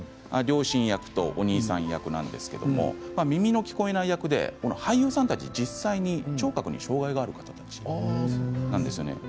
両親役とお兄さん役なんですけれど耳の聞こえない役で俳優さんたち、実際に聴覚に障害がある方たちなんですよね。